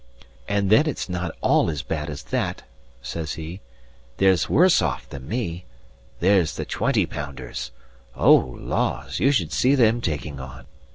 "And then it's not all as bad as that," says he; "there's worse off than me: there's the twenty pounders. O, laws! you should see them taking on.